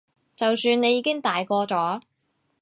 就算你已經大個咗